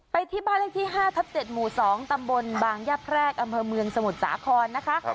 ไปที่บ้านเลขที่๕ทับ๗หมู่๒ตำบลบางยะแพรกอำเภอเมืองสมุทรสาครนะคะ